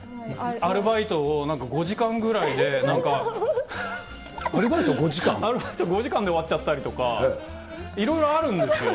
アルバイト５時間で終わっちゃったりとか、いろいろあるんですよ。